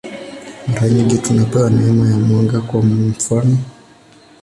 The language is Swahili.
Mara nyingi tunapewa neema ya mwanga, kwa mfanof.